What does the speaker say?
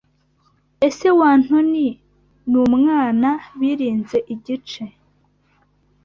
Ese wantoni n'umwana birinze Igice